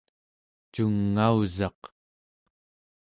cungausaq